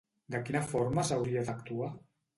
De quina forma s'hauria d'actuar?